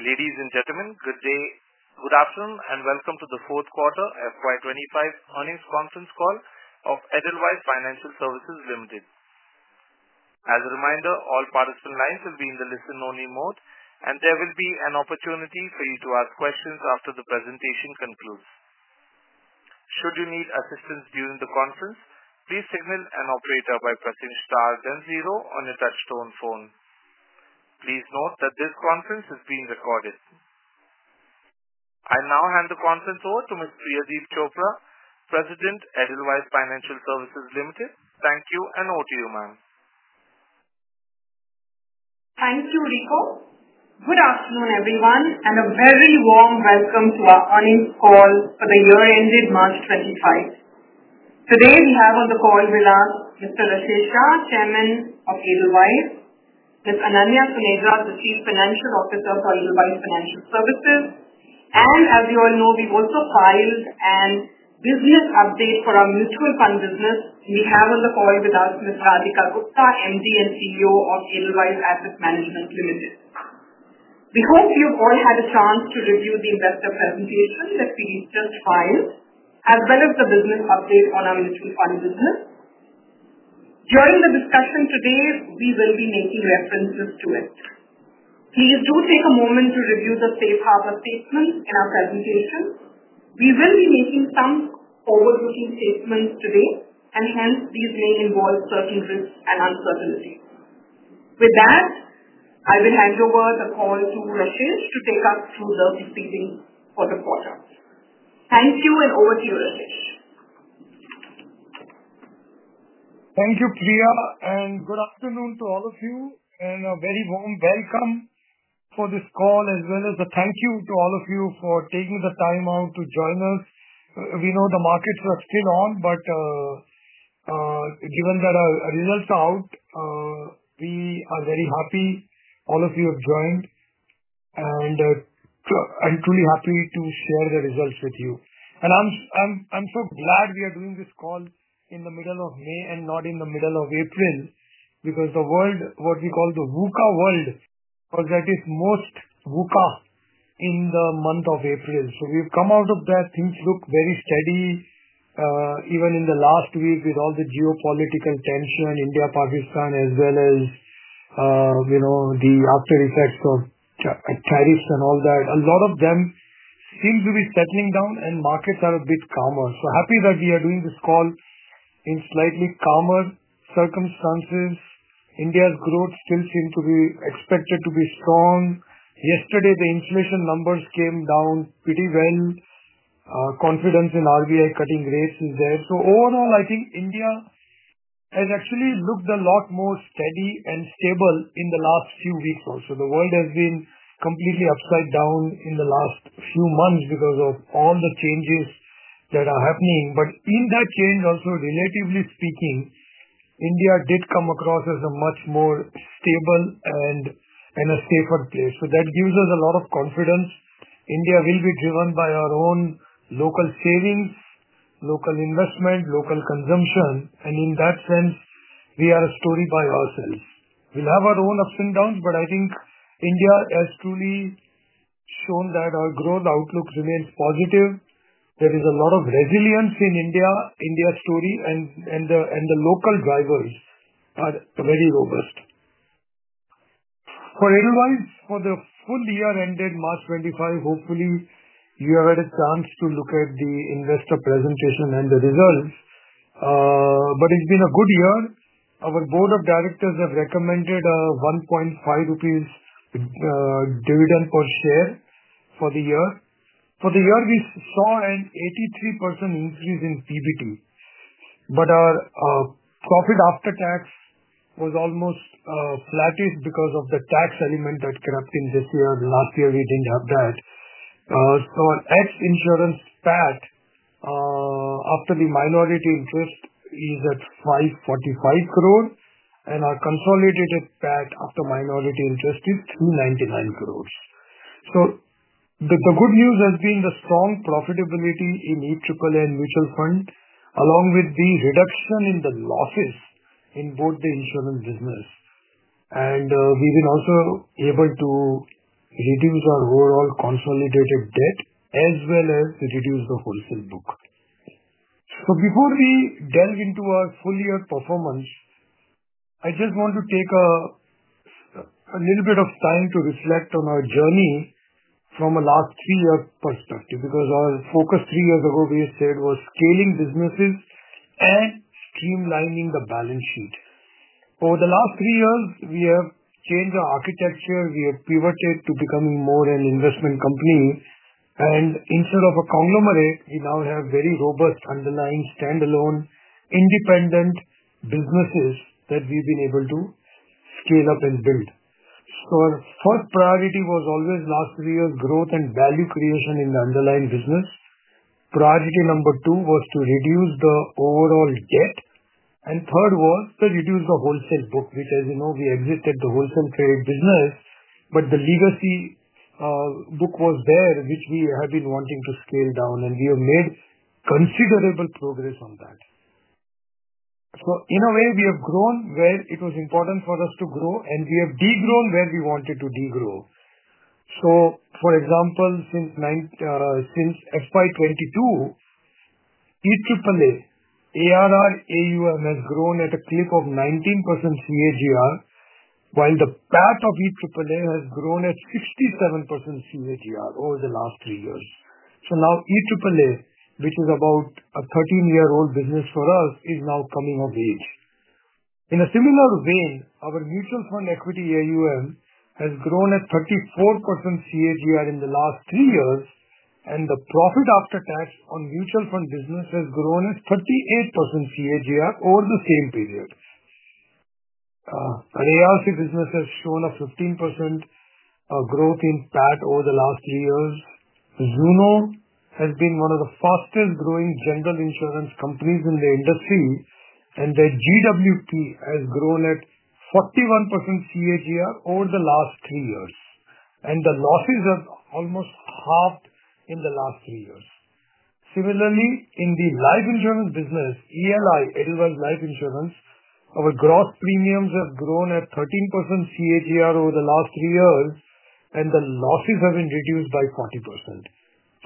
Ladies and gentlemen, good day, good afternoon, and welcome to the fourth quarter FY25 earnings conference call of Edelweiss Financial Services Limited. As a reminder, all participant lines will be in the listen-only mode, and there will be an opportunity for you to ask questions after the presentation concludes. Should you need assistance during the conference, please signal an operator by pressing star then zero on your touchstone phone. Please note that this conference is being recorded. I now hand the conference over to Ms. Priyadeep Chopra, President, Edelweiss Financial Services Limited. Thank you, and over to you, ma'am. Thank you, Rico. Good afternoon, everyone, and a very warm welcome to our earnings call for the year ended March 2025. Today, we have on the call with us Mr. Rashesh Shah, Chairman of Edelweiss, Ms. Ananya Sundaram, the Chief Financial Officer for Edelweiss Financial Services. As you all know, we have also filed a business update for our mutual fund business, and we have on the call with us Ms. Radhika Gupta, MD and CEO of Edelweiss Asset Management Limited. We hope you have all had a chance to review the investor presentation that we have just filed, as well as the business update on our mutual fund business. During the discussion today, we will be making references to it. Please do take a moment to review the safe harbor statements in our presentation. We will be making some forward-looking statements today, and hence, these may involve certain risks and uncertainties. With that, I will hand over the call to Rashesh to take us through the proceedings for the quarter. Thank you, and over to you, Rashesh. Thank you, Priya, and good afternoon to all of you, and a very warm welcome for this call, as well as a thank you to all of you for taking the time out to join us. We know the markets are still on, but given that our results are out, we are very happy all of you have joined, and I'm truly happy to share the results with you. I'm so glad we are doing this call in the middle of May and not in the middle of April because the world, what we call the VUCA world, that is most VUCA in the month of April. We have come out of that. Things look very steady, even in the last week with all the geopolitical tension, India, Pakistan, as well as the aftereffects of tariffs and all that. A lot of them seem to be settling down, and markets are a bit calmer. So happy that we are doing this call in slightly calmer circumstances. India's growth still seems to be expected to be strong. Yesterday, the inflation numbers came down pretty well. Confidence in RBI cutting rates is there. So overall, I think India has actually looked a lot more steady and stable in the last few weeks also. The world has been completely upside down in the last few months because of all the changes that are happening. But in that change, also, relatively speaking, India did come across as a much more stable and a safer place. So that gives us a lot of confidence. India will be driven by our own local savings, local investment, local consumption. And in that sense, we are a story by ourselves. We'll have our own ups and downs, but I think India has truly shown that our growth outlook remains positive. There is a lot of resilience in India, India's story, and the local drivers are very robust. For Edelweiss, for the full year ended March 2025, hopefully, you have had a chance to look at the investor presentation and the results. But it's been a good year. Our Board of Directors have recommended an 1.5 rupees dividend per share for the year. For the year, we saw an 83% increase in PBT. But our profit after tax was almost flatted because of the tax element that crept in this year. Last year, we didn't have that. So our ex-insurance PAT after the minority interest is at 545 crore, and our consolidated PAT after minority interest is 399 crore. The good news has been the strong profitability in ENN mutual fund, along with the reduction in the losses in both the insurance business. We have been also able to reduce our overall consolidated debt, as well as to reduce the wholesale book. Before we delve into our full year performance, I just want to take a little bit of time to reflect on our journey from a last three-year perspective because our focus three years ago, we said, was scaling businesses and streamlining the balance sheet. Over the last three years, we have changed our architecture. We have pivoted to becoming more an investment company. Instead of a conglomerate, we now have very robust underlying standalone independent businesses that we have been able to scale up and build. Our first priority was always last three years' growth and value creation in the underlying business. Priority number two was to reduce the overall debt. Third was to reduce the wholesale book, which, as you know, we exited the wholesale trade business, but the legacy book was there, which we have been wanting to scale down, and we have made considerable progress on that. In a way, we have grown where it was important for us to grow, and we have degrown where we wanted to degrow. For example, since FY 2022, EAA ARR AUM has grown at a clip of 19% CAGR, while the PAT of EAA has grown at 67% CAGR over the last three years. EAA, which is about a 13-year-old business for us, is now coming of age. In a similar vein, our mutual fund equity AUM has grown at 34% CAGR in the last three years, and the profit after tax on mutual fund business has grown at 38% CAGR over the same period. ARC business has shown a 15% growth in PAT over the last three years. Zuno has been one of the fastest-growing general insurance companies in the industry, and their GWP has grown at 41% CAGR over the last three years. The losses have almost halved in the last three years. Similarly, in the life insurance business, ELI, Edelweiss Life Insurance, our gross premiums have grown at 13% CAGR over the last three years, and the losses have been reduced by 40%.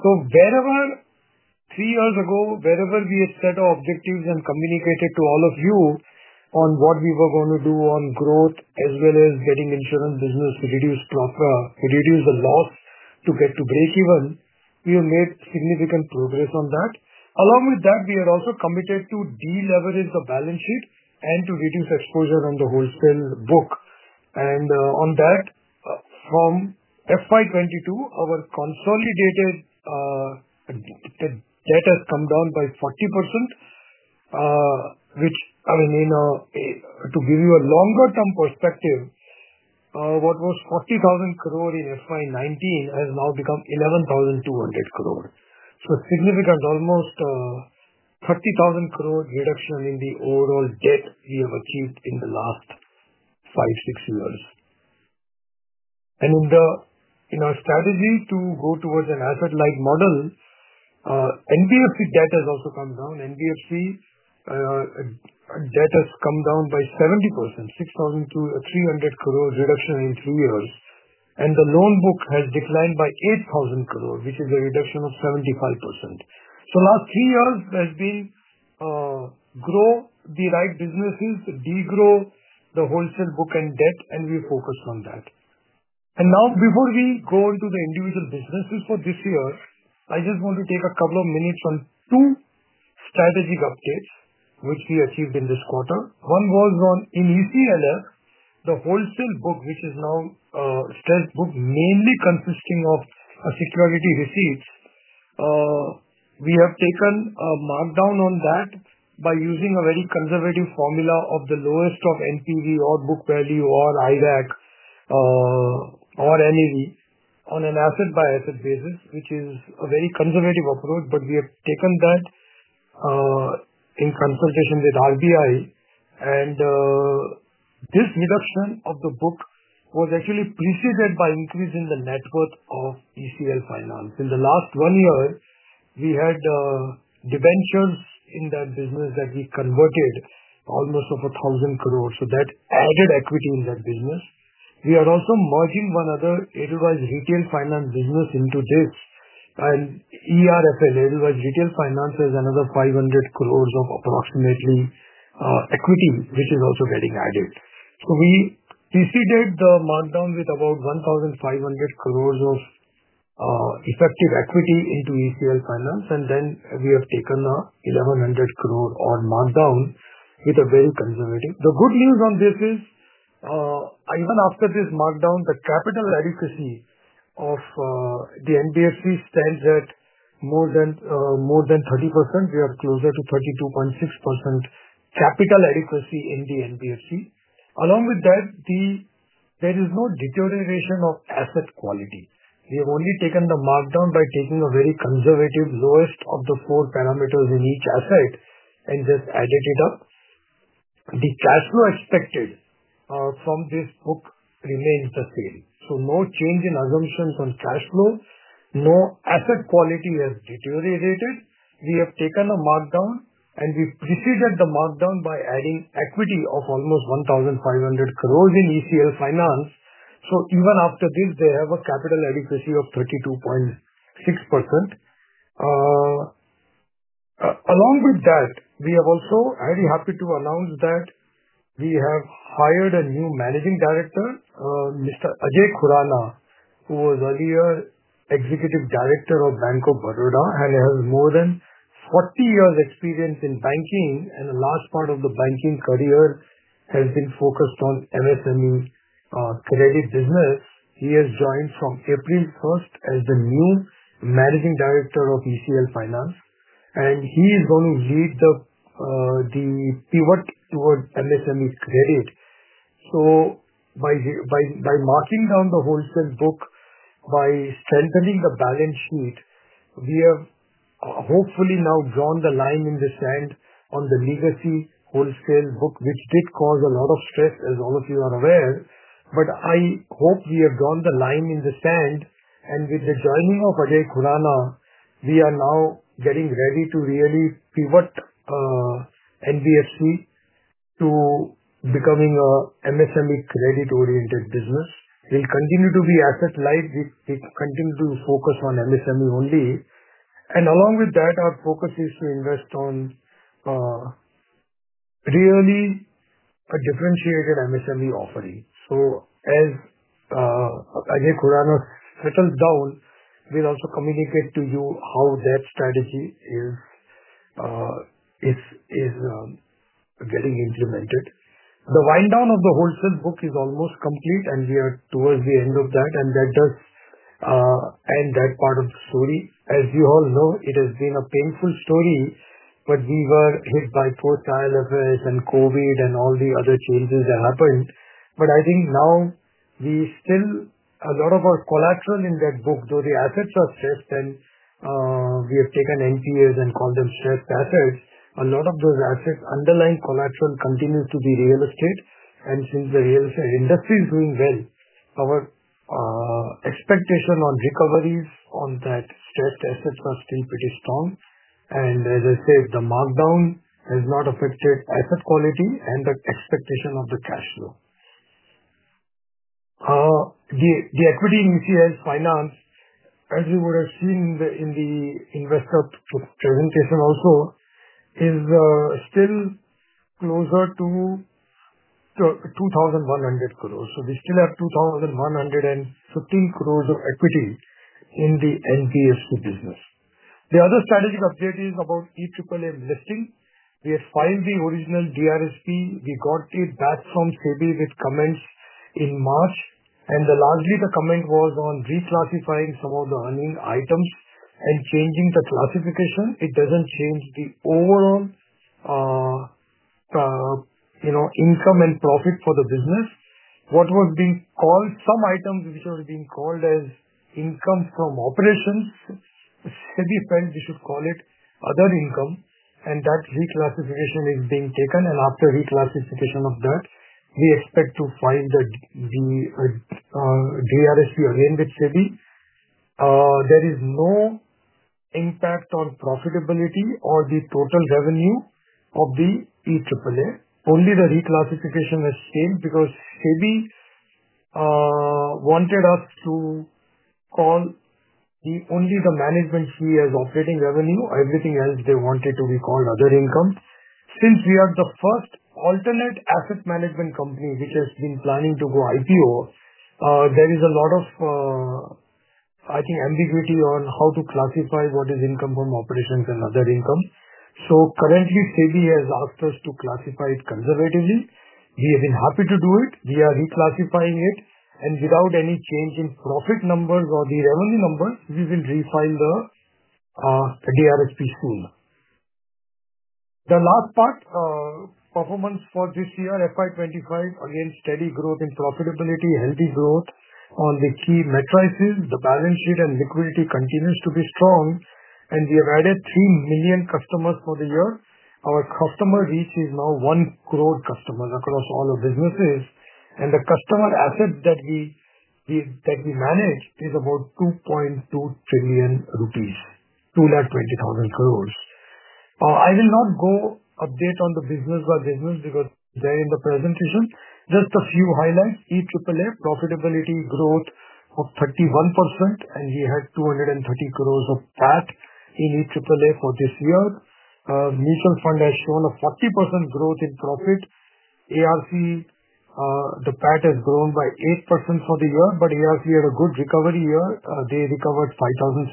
Three years ago, wherever we had set our objectives and communicated to all of you on what we were going to do on growth, as well as getting insurance business to reduce the loss to get to breakeven, we have made significant progress on that. Along with that, we are also committed to deleverage the balance sheet and to reduce exposure on the wholesale book. From FY 2022, our consolidated debt has come down by 40%, which, I mean, to give you a longer-term perspective, what was 40,000 crore in FY 2019 has now become 11,200 crore. Significant, almost 30,000 crore reduction in the overall debt we have achieved in the last five, six years. In our strategy to go towards an asset-like model, NBFC debt has also come down. NBFC debt has come down by 70%, 6,300 crore reduction in three years. The loan book has declined by INR 8,000 crore, which is a reduction of 75%. The last three years has been grow the right businesses, degrow the wholesale book and debt, and we focused on that. Now, before we go into the individual businesses for this year, I just want to take a couple of minutes on two strategic updates which we achieved in this quarter. One was in ECLF, the wholesale book, which is now a stressed book, mainly consisting of security receipts. We have taken a markdown on that by using a very conservative formula of the lowest of NPV or book value or IRAC or NAV on an asset-by-asset basis, which is a very conservative approach, but we have taken that in consultation with RBI. This reduction of the book was actually preceded by increase in the net worth of ECL Finance. In the last one year, we had debentures in that business that we converted almost of 1,000 crore. That added equity in that business. We are also merging one other Edelweiss Retail Finance business into this. And ERFL, Edelweiss Retail Finance, has another approximately 500 crore of equity, which is also getting added. We preceded the markdown with about 1,500 crore of effective equity into ECL Finance, and then we have taken 1,100 crore of markdown with a very conservative. The good news on this is, even after this markdown, the capital adequacy of the NBFC stands at more than 30%. We are closer to 32.6% capital adequacy in the NBFC. Along with that, there is no deterioration of asset quality. We have only taken the markdown by taking a very conservative lowest of the four parameters in each asset and just added it up. The cash flow expected from this book remains the same. No change in assumptions on cash flow. No asset quality has deteriorated. We have taken a markdown, and we preceded the markdown by adding equity of almost 1,500 crore in ECL Finance. Even after this, they have a capital adequacy of 32.6%. Along with that, we are also very happy to announce that we have hired a new Managing Director, Mr. Ajay Khurana, who was earlier Executive Director of Bank of Baroda and has more than 40 years' experience in banking. The last part of the banking career has been focused on MSME credit business. He has joined from April 1 as the new Managing Director of ECL Finance, and he is going to lead the pivot towards MSME credit. By marking down the wholesale book, by strengthening the balance sheet, we have hopefully now drawn the line in the sand on the legacy wholesale book, which did cause a lot of stress, as all of you are aware. I hope we have drawn the line in the sand, and with the joining of Ajay Khurana, we are now getting ready to really pivot NBFC to becoming an MSME credit-oriented business. We will continue to be asset-light. We continue to focus on MSME only. Along with that, our focus is to invest on really a differentiated MSME offering. As Ajay Khurana settles down, we will also communicate to you how that strategy is getting implemented. The wind down of the wholesale book is almost complete, and we are towards the end of that, and that does end that part of the story. As you all know, it has been a painful story, but we were hit by poor credit affairs and COVID and all the other changes that happened. I think now we still, a lot of our collateral in that book, though the assets are stressed, and we have taken NPAs and called them stressed assets, a lot of those assets, underlying collateral continues to be real estate. Since the real estate industry is doing well, our expectation on recoveries on that stressed assets are still pretty strong. As I said, the markdown has not affected asset quality and the expectation of the cash flow. The equity in ECL Finance, as you would have seen in the investor presentation also, is still closer to 2,100 crore. We still have 2,115 crore of equity in the NBFC business. The other strategic update is about EAA listing. We had filed the original DRHP. We got it back from SEBI with comments in March. Largely, the comment was on reclassifying some of the earning items and changing the classification. It does not change the overall income and profit for the business. What was being called, some items which were being called as income from operations, SEBI felt we should call it other income. That reclassification is being taken. After reclassification of that, we expect to file the DRHP again with SEBI. There is no impact on profitability or the total revenue of the EAA. Only the reclassification has changed because SEBI wanted us to call only the management fee as operating revenue. Everything else, they wanted to be called other income. Since we are the first alternate asset management company which has been planning to go IPO, there is a lot of, I think, ambiguity on how to classify what is income from operations and other income. Currently, SEBI has asked us to classify it conservatively. We have been happy to do it. We are reclassifying it. Without any change in profit numbers or the revenue numbers, we will refile the DRHP soon. The last part, performance for this year, FY2025, again, steady growth in profitability, healthy growth on the key metrics. The balance sheet and liquidity continues to be strong. We have added 3 million customers for the year. Our customer reach is now 10 million customers across all our businesses. The customer asset that we manage is about 2.2 trillion rupees, 220,000 crore. I will not go update on the business by business because they're in the presentation. Just a few highlights. EAA, profitability growth of 31%, and we had 2.3 billion of PAT in EAA for this year. Mutual Fund has shown a 40% growth in profit. ARC, the PAT has grown by 8% for the year, but ARC had a good recovery year. They recovered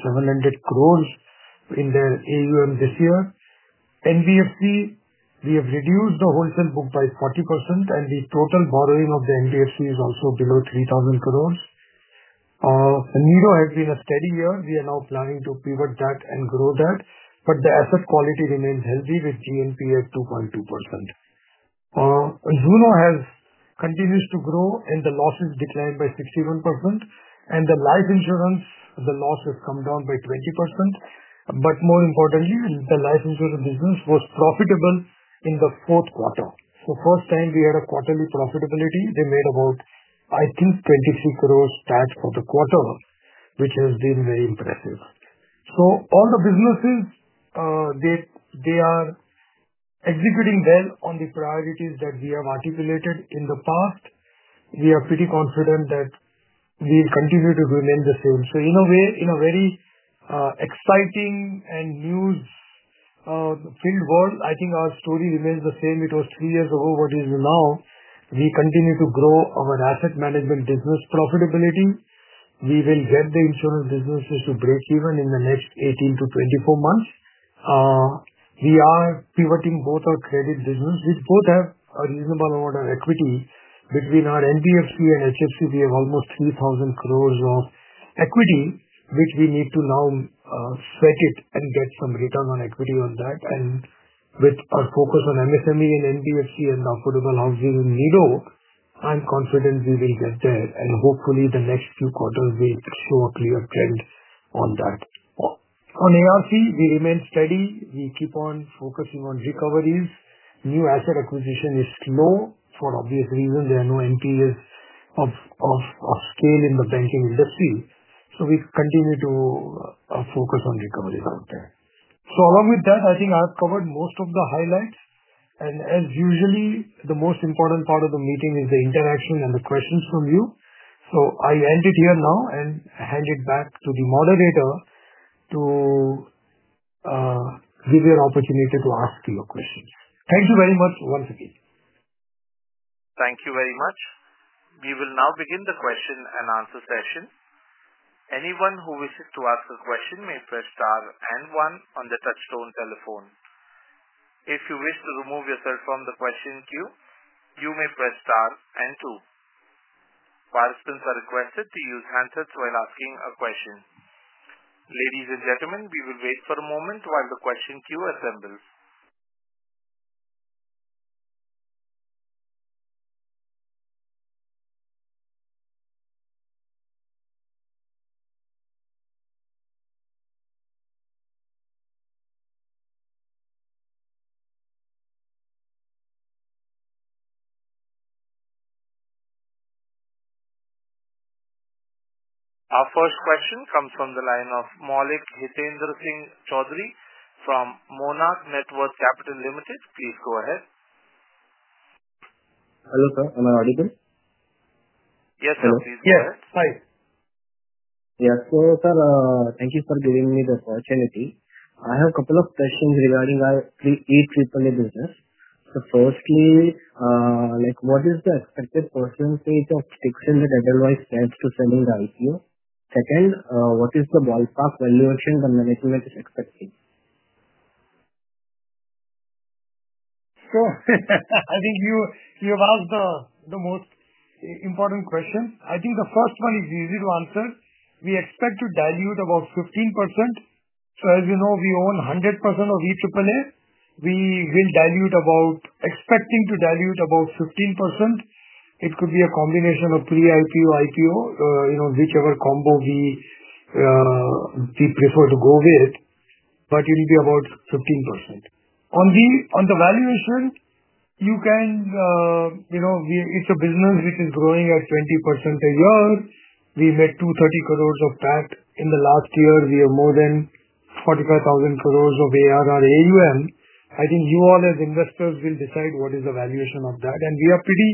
57 billion in their AUM this year. NBFC, we have reduced the wholesale book by 40%, and the total borrowing of the NBFC is also below INR 3 billion. NIDO has been a steady year. We are now planning to pivot that and grow that. The asset quality remains healthy with GNP at 2.2%. Zuno continues to grow, and the losses declined by 61%. The life insurance, the loss has come down by 20%. More importantly, the life insurance business was profitable in the fourth quarter. For the first time, we had a quarterly profitability. They made about 230 million tax for the quarter, which has been very impressive. All the businesses, they are executing well on the priorities that we have articulated in the past. We are pretty confident that we will continue to remain the same. In a way, in a very exciting and news-filled world, I think our story remains the same. It was three years ago, what is now. We continue to grow our asset management business profitability. We will get the insurance businesses to break even in the next 18-24 months. We are pivoting both our credit business, which both have a reasonable amount of equity. Between our NBFC and HFC, we have almost 3,000 crore of equity, which we need to now sweat it and get some return on equity on that. With our focus on MSME and NBFC and the affordable housing in NIDO, I'm confident we will get there. Hopefully, the next few quarters will show a clear trend on that. On ARC, we remain steady. We keep on focusing on recoveries. New asset acquisition is slow for obvious reasons. There are no NPAs of scale in the banking industry. We continue to focus on recoveries out there. Along with that, I think I've covered most of the highlights. As usually, the most important part of the meeting is the interaction and the questions from you. I'll end it here now and hand it back to the moderator to give you an opportunity to ask your questions. Thank you very much once again. Thank you very much. We will now begin the question and answer session. Anyone who wishes to ask a question may press star and one on the touchstone telephone. If you wish to remove yourself from the question queue, you may press star and two. Participants are requested to use handsets while asking a question. Ladies and gentlemen, we will wait for a moment while the question queue assembles. Our first question comes from the line of Maulik Hithendra Singh Chaudhari from Monarch Network Capital Limited. Please go ahead. Hello sir, am I audible? Yes, sir, please go ahead. Yes, hi. Yes, so sir, thank you for giving me the opportunity. I have a couple of questions regarding our EAA business. So firstly, what is the expected profitability of fixing the deadline strength to selling the IPO? Second, what is the ballpark valuation the management is expecting? I think you have asked the most important question. I think the first one is easy to answer. We expect to dilute about 15%. As you know, we own 100% of EAA. We will dilute about, expecting to dilute about 15%. It could be a combination of pre-IPO, IPO, whichever combo we prefer to go with. It will be about 15%. On the valuation, you can, it is a business which is growing at 20% a year. We met INR 2.3 billion of PAT in the last year. We have more than 450 billion of ARR AUM. I think you all, as investors, will decide what is the valuation of that. We are pretty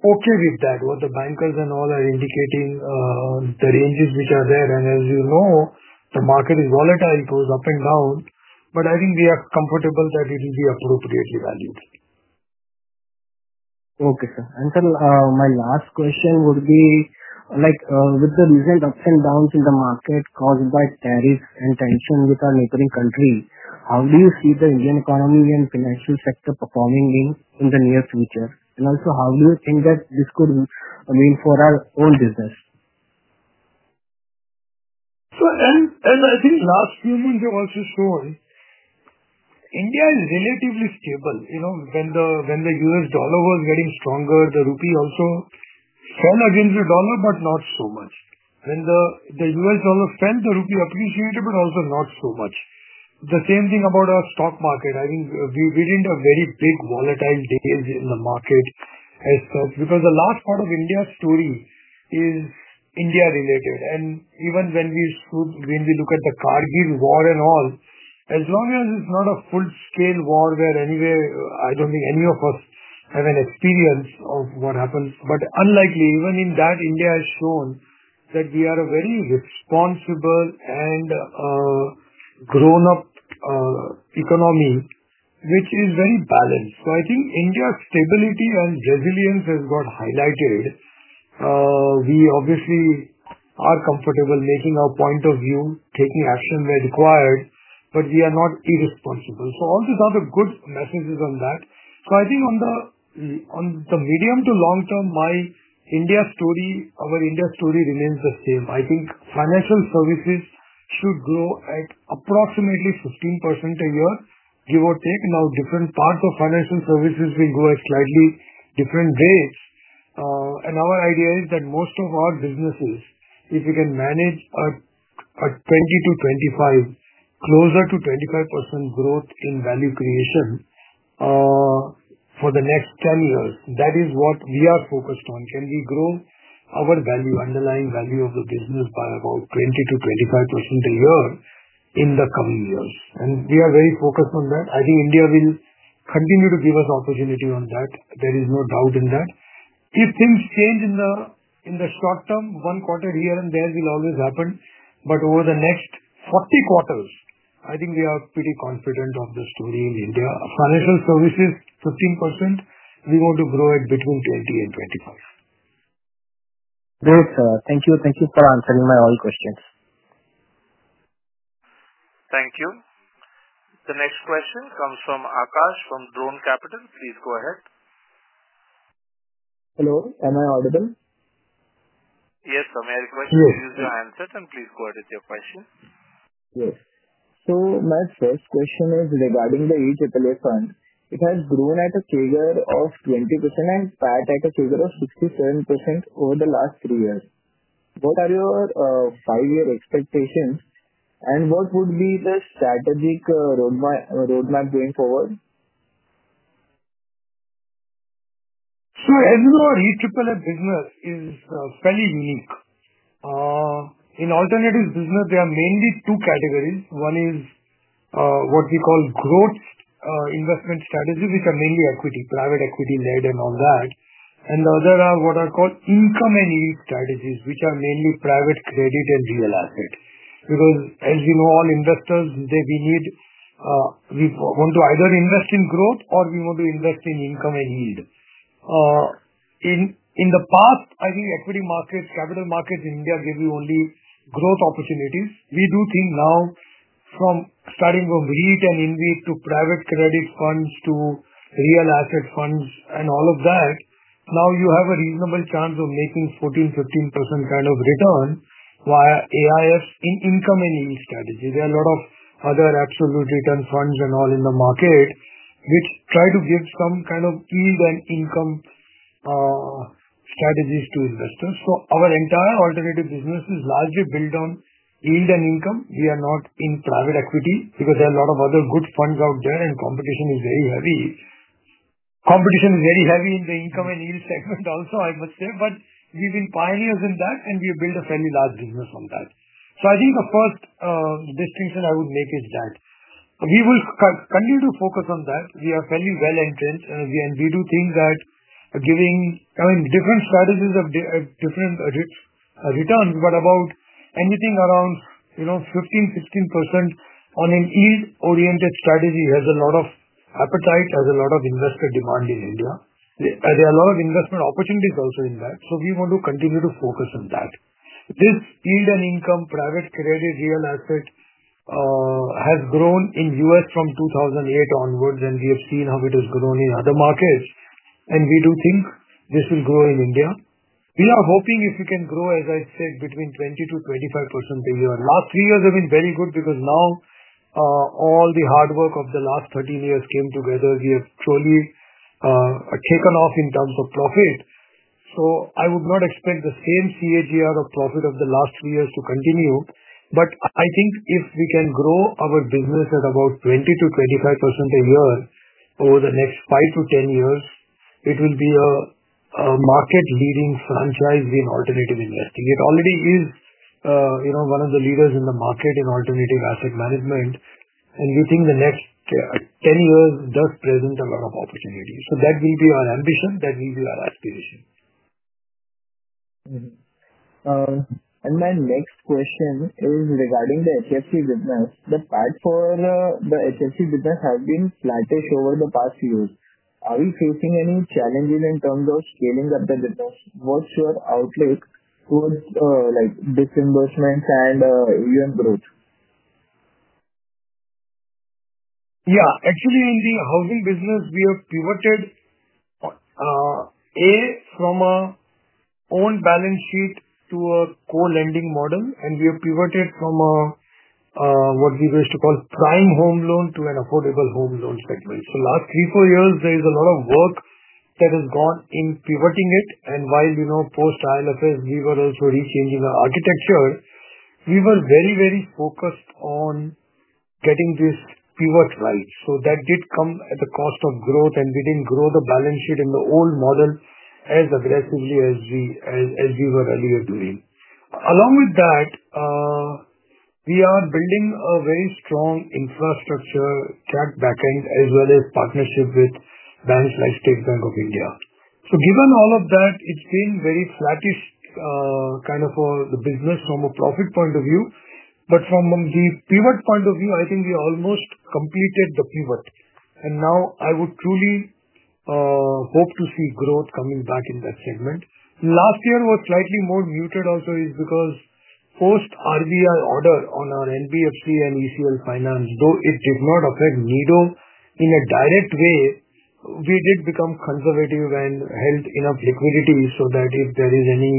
okay with that, what the bankers and all are indicating, the ranges which are there. As you know, the market is volatile. It goes up and down. I think we are comfortable that it will be appropriately valued. Okay, sir. Sir, my last question would be, with the recent ups and downs in the market caused by tariffs and tension with our neighboring countries, how do you see the Indian economy and financial sector performing in the near future? Also, how do you think that this could mean for our own business? As I think last few months of our story, India is relatively stable. When the U.S. dollar was getting stronger, the rupee also fell against the dollar, but not so much. When the U.S. dollar fell, the rupee appreciated, but also not so much. The same thing about our stock market. I think we're in a very big volatile days in the market as such. The last part of India's story is India-related. Even when we look at the Kargil war and all, as long as it's not a full-scale war where anyway, I don't think any of us have an experience of what happens. Unlikely, even in that, India has shown that we are a very responsible and grown-up economy, which is very balanced. I think India's stability and resilience has got highlighted. We obviously are comfortable making our point of view, taking action where required, but we are not irresponsible. All these are the good messages on that. I think on the medium to long term, my India story, our India story remains the same. I think financial services should grow at approximately 15% a year, give or take. Now, different parts of financial services will go at slightly different rates. Our idea is that most of our businesses, if we can manage a 20-25%, closer to 25% growth in value creation for the next 10 years, that is what we are focused on. Can we grow our value, underlying value of the business by about 20-25% a year in the coming years? We are very focused on that. I think India will continue to give us opportunity on that. There is no doubt in that. If things change in the short term, one quarter here and there will always happen. Over the next 40 quarters, I think we are pretty confident of the story in India. Financial services, 15%. We want to grow at between 20 and 25%. Great, sir. Thank you. Thank you for answering all my questions. Thank you. The next question comes from Aakash from Drone Capital. Please go ahead. Hello, am I audible? Yes, sir. May I request you to use your handsets and please go ahead with your question? Yes. So my first question is regarding the EAA fund. It has grown at a figure of 20% and PAT at a figure of 67% over the last three years. What are your five-year expectations? And what would be the strategic roadmap going forward? As you know, our EAA business is fairly unique. In alternative business, there are mainly two categories. One is what we call growth investment strategies, which are mainly equity, private equity-led and all that. The other are what are called income and yield strategies, which are mainly private credit and real asset. Because as you know, all investors, we want to either invest in growth or we want to invest in income and yield. In the past, I think equity markets, capital markets in India gave you only growth opportunities. We do think now, starting from REIT and InvIT to private credit funds to real asset funds and all of that, now you have a reasonable chance of making 14%-15% kind of return via AIF in income and yield strategy. There are a lot of other absolute return funds and all in the market, which try to give some kind of yield and income strategies to investors. Our entire alternative business is largely built on yield and income. We are not in private equity because there are a lot of other good funds out there, and competition is very heavy. Competition is very heavy in the income and yield segment also, I must say. We have been pioneers in that, and we have built a fairly large business on that. I think the first distinction I would make is that we will continue to focus on that. We are fairly well entrenched, and we do think that giving different strategies of different returns, but about anything around 15%-16% on a yield-oriented strategy has a lot of appetite, has a lot of investor demand in India. There are a lot of investment opportunities also in that. We want to continue to focus on that. This yield and income private credit real asset has grown in the U.S. from 2008 onwards, and we have seen how it has grown in other markets. We do think this will grow in India. We are hoping if we can grow, as I said, between 20%-25% a year. Last three years have been very good because now all the hard work of the last 13 years came together. We have truly taken off in terms of profit. I would not expect the same CAGR of profit of the last three years to continue. I think if we can grow our business at about 20%-25% a year over the next 5-10 years, it will be a market-leading franchise in alternative investing. It already is one of the leaders in the market in alternative asset management. We think the next 10 years does present a lot of opportunity. That will be our ambition. That will be our aspiration. My next question is regarding the HFC business. The PAT for the HFC business has been flattish over the past few years. Are we facing any challenges in terms of scaling up the business? What's your outlook towards disbursements and growth? Yeah. Actually, in the housing business, we have pivoted, A, from an owned balance sheet to a co-lending model. We have pivoted from what we used to call prime home loan to an affordable home loan segment. For the last three or four years, there is a lot of work that has gone in pivoting it. While post-ILFS, we were also re-changing our architecture. We were very, very focused on getting this pivot right. That did come at the cost of growth, and we did not grow the balance sheet in the old model as aggressively as we were earlier doing. Along with that, we are building a very strong infrastructure track backend as well as partnership with banks like State Bank of India. Given all of that, it has been very flattish kind of for the business from a profit point of view. From the pivot point of view, I think we almost completed the pivot. I would truly hope to see growth coming back in that segment. Last year was slightly more muted also because post-RBI order on our NBFC and ECL Finance, though it did not affect NIDO in a direct way, we did become conservative and held enough liquidity so that if there is any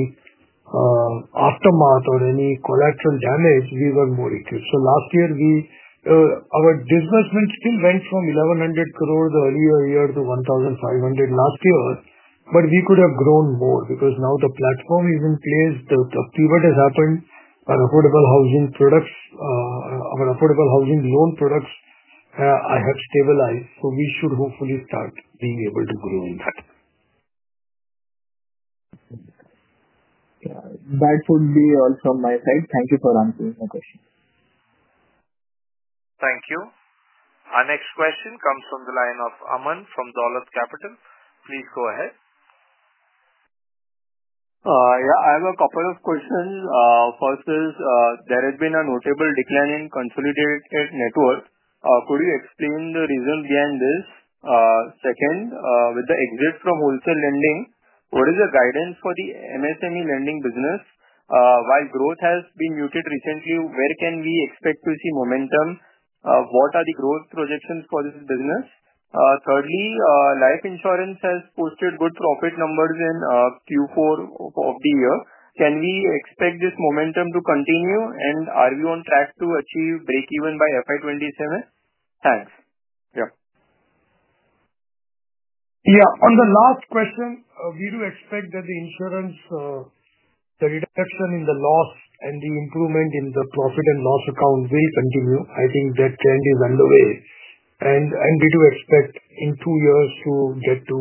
aftermath or any collateral damage, we were more equipped. Last year, our disbursement still went from 1,100 crore the earlier year to 1,500 crore last year. We could have grown more because now the platform is in place. The pivot has happened. Our affordable housing products, our affordable housing loan products have stabilized. We should hopefully start being able to grow in that. That would be all from my side. Thank you for answering my question. Thank you. Our next question comes from the line of Aman from Dolat Capital. Please go ahead. Yeah, I have a couple of questions. First is, there has been a notable decline in consolidated net worth. Could you explain the reason behind this? Second, with the exit from wholesale lending, what is the guidance for the MSME lending business? While growth has been muted recently, where can we expect to see momentum? What are the growth projections for this business? Thirdly, life insurance has posted good profit numbers in Q4 of the year. Can we expect this momentum to continue? And are we on track to achieve breakeven by FY 2027? Thanks. Yeah. Yeah. On the last question, we do expect that the insurance, the reduction in the loss and the improvement in the profit and loss account will continue. I think that trend is underway. We do expect in two years to get to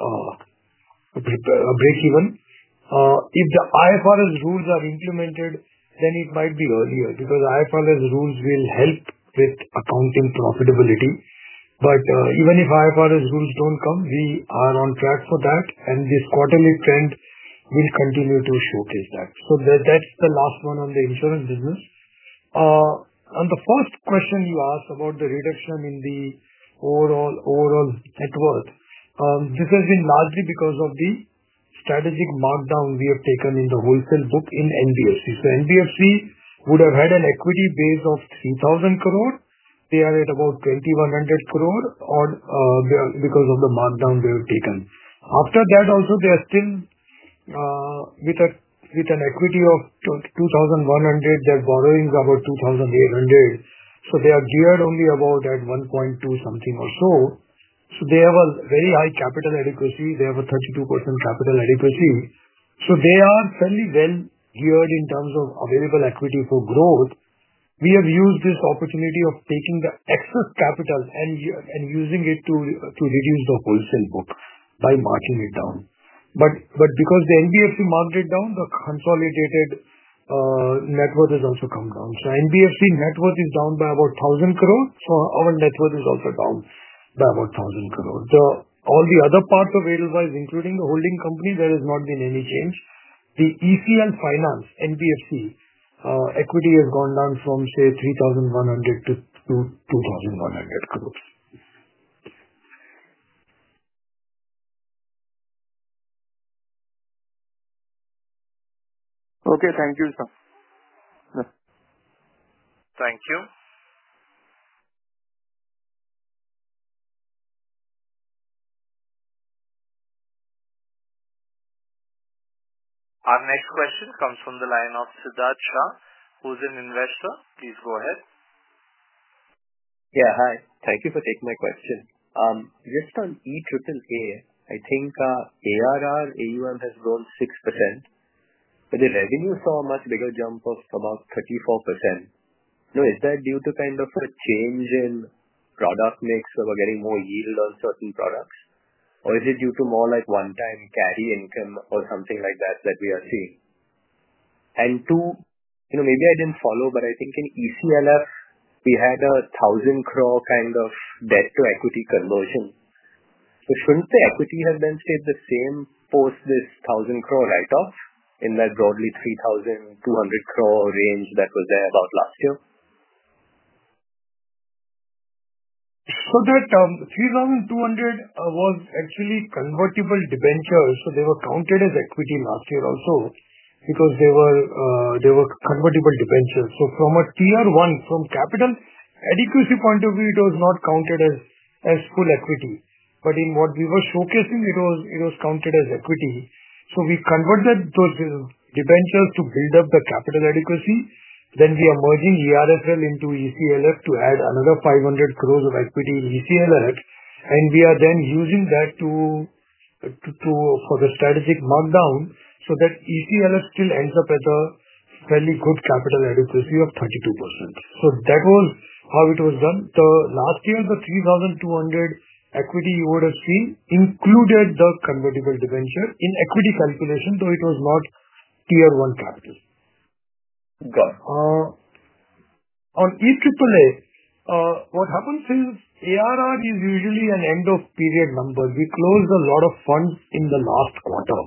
a breakeven. If the IFRS rules are implemented, it might be earlier because IFRS rules will help with accounting profitability. Even if IFRS rules do not come, we are on track for that. This quarterly trend will continue to showcase that. That is the last one on the insurance business. On the first question you asked about the reduction in the overall net worth, this has been largely because of the strategic markdown we have taken in the wholesale book in NBFC. NBFC would have had an equity base of 3,000 crore. They are at about 2,100 crore because of the markdown they have taken. After that, also, they are still with an equity of 2,100 crore. Their borrowing is about 2,800 crore. They are geared only about at 1.2 something or so. They have a very high capital adequacy. They have a 32% capital adequacy. They are fairly well geared in terms of available equity for growth. We have used this opportunity of taking the excess capital and using it to reduce the wholesale book by marking it down. Because the NBFC marked it down, the consolidated net worth has also come down. NBFC net worth is down by about 1,000 crore. Our net worth is also down by about 1,000 crore. All the other parts of ALY, including the holding company, there has not been any change. The ECL Finance NBFC equity has gone down from, say, 3,100 crore to 2,100 crore. Okay. Thank you, sir. Thank you. Our next question comes from the line of Siddharth Shah, who is an investor. Please go ahead. Yeah. Hi. Thank you for taking my question. Just on EAA, I think AUM has grown 6%. But the revenue saw a much bigger jump of about 34%. Now, is that due to kind of a change in product mix where we're getting more yield on certain products? Or is it due to more like one-time carry income or something like that that we are seeing? Two, maybe I didn't follow, but I think in ECLF, we had a 1,000 crore kind of debt-to-equity conversion. Shouldn't the equity have then stayed the same post this 1,000 crore write-off in that broadly 3,200 crore range that was there about last year? That 3,200 crore was actually convertible debenture. They were counted as equity last year also because they were convertible debenture. From a tier one, from capital adequacy point of view, it was not counted as full equity. In what we were showcasing, it was counted as equity. We converted those debentures to build up the capital adequacy. We are merging Edelweiss Retail Finance into ECL Finance to add another 500 crore of equity in ECL Finance. We are using that for the strategic markdown so that ECL Finance still ends up as a fairly good capital adequacy of 32%. That was how it was done. Last year, the 3,200 crore equity you would have seen included the convertible debenture in equity calculation, though it was not tier one capital. Got it. On Edelweiss Asset Management Limited, what happens is AUM is usually an end-of-period number. We closed a lot of funds in the last quarter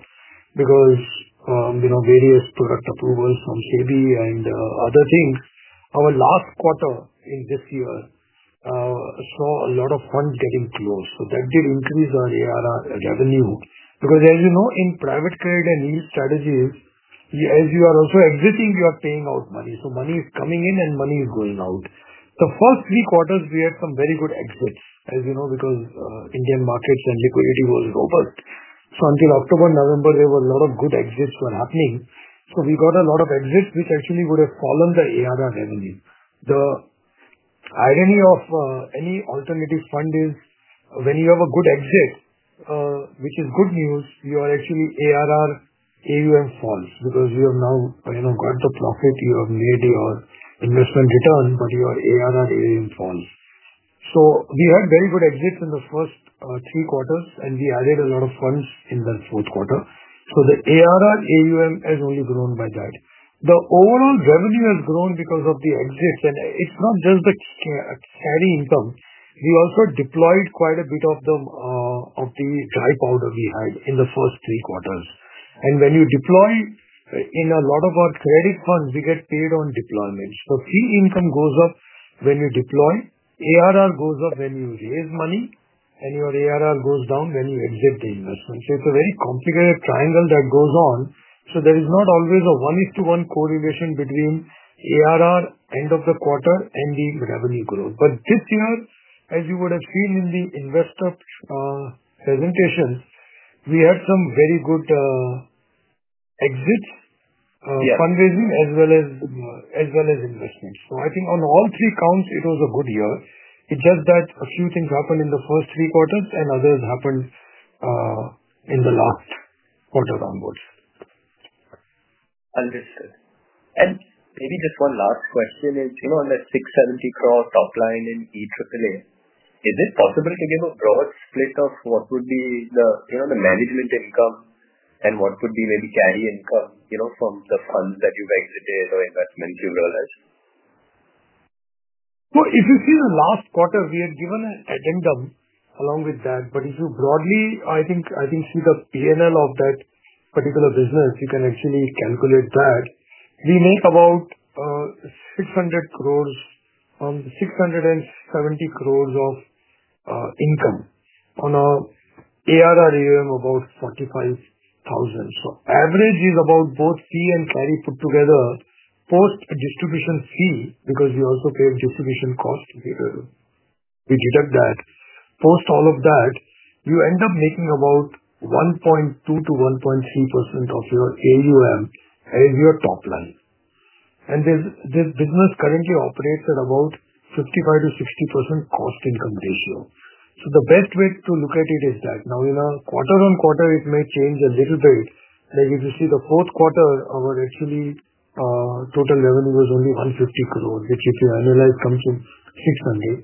because various product approvals from SEBI and other things. Our last quarter in this year saw a lot of funds getting closed. That did increase our AUM revenue. Because as you know, in private credit and yield strategies, as you are also exiting, you are paying out money. Money is coming in and money is going out. The first three quarters, we had some very good exits, as you know, because Indian markets and liquidity was robust. Until October, November, there were a lot of good exits happening. We got a lot of exits, which actually would have fallen the ARR revenue. The irony of any alternative fund is when you have a good exit, which is good news, your actually ARR, AUM falls because you have now got the profit. You have made your investment return, but your ARR, AUM falls. We had very good exits in the first three quarters, and we added a lot of funds in the fourth quarter. The ARR, AUM has only grown by that. The overall revenue has grown because of the exits. It's not just the carry income. We also deployed quite a bit of the dry powder we had in the first three quarters. When you deploy in a lot of our credit funds, we get paid on deployment. Fee income goes up when you deploy. ARR goes up when you raise money, and your ARR goes down when you exit the investment. It's a very complicated triangle that goes on. There is not always a one-to-one correlation between ARR, end of the quarter, and the revenue growth. This year, as you would have seen in the investor presentation, we had some very good exits, fundraising, as well as investments. I think on all three counts, it was a good year. It's just that a few things happened in the first three quarters, and others happened in the last quarter onwards. Understood. Maybe just one last question is on that 670 crore top line in EAA, is it possible to give a broad split of what would be the management income and what would be maybe carry income from the funds that you've exited or investment you've realized? If you see the last quarter, we had given an addendum along with that. If you broadly, I think, see the P&L of that particular business, you can actually calculate that. We make about 670 crore of income on our ARR, AUM about 45,000 crore. Average is about both fee and carry put together post distribution fee because we also pay distribution cost. We deduct that. Post all of that, you end up making about 1.2-1.3% of your AUM as your top line. This business currently operates at about 55-60% cost-income ratio. The best way to look at it is that. Quarter on quarter, it may change a little bit. Like if you see the fourth quarter, our actually total revenue was only 150 crore, which if you annualize, comes to 600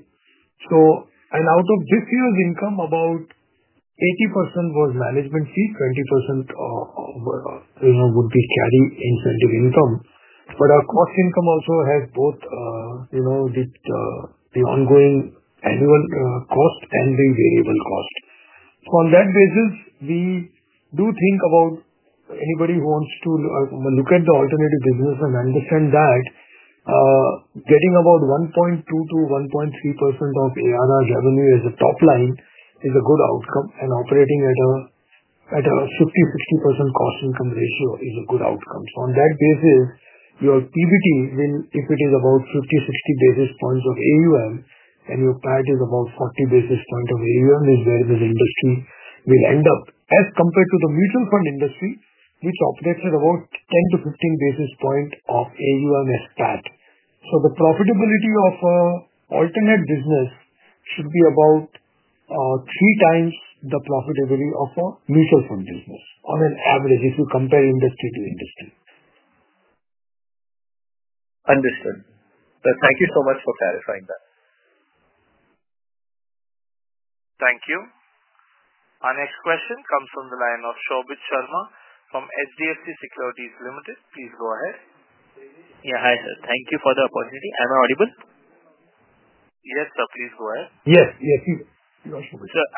crore. Out of this year's income, about 80% was management fee, 20% would be carry incentive income. Our cost income also has both the ongoing annual cost and the variable cost. On that basis, we do think about anybody who wants to look at the alternative business and understand that getting about 1.2-1.3% of ARR revenue as a top line is a good outcome. Operating at a 50-60% cost-income ratio is a good outcome. On that basis, your PBT, if it is about 50-60 basis points of AUM, and your PAT is about 40 basis points of AUM, is where this industry will end up as compared to the mutual fund industry, which operates at about 10-15 basis points of AUM as PAT. The profitability of an alternate business should be about three times the profitability of a mutual fund business on average if you compare industry to industry. Understood. Thank you so much for clarifying that. Thank you. Our next question comes from the line of Shobhit Sharma from HDFC Securities Limited. Please go ahead. Yeah. Hi, sir. Thank you for the opportunity. Am I audible? Yes, sir. Please go ahead. Yes. Yes. Sir,